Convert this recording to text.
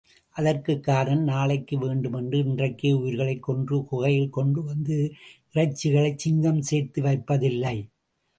அதற்குக் காரணம், நாளைக்கு வேண்டுமென்று இன்றைக்கே உயிர்களைக் கொன்று குகையில் கொண்டு வந்து இறைச்சிகளைச் சிங்கம் சேர்த்து வைப்பதில்லை.